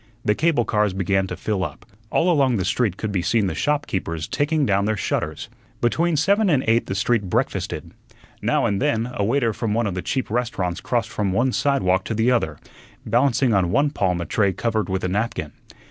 The cable cars began to fill up; all along the street could be seen the shopkeepers taking down their shutters. Between seven and eight the street breakfasted. Now and then a waiter from one of the cheap restaurants crossed from one sidewalk to the other, balancing on one palm a tray covered with a napkin.